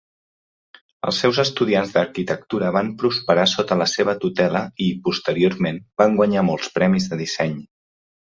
Els seus estudiants d'arquitectura van prosperar sota la seva tutela i, posteriorment, van guanyar molts premis de disseny.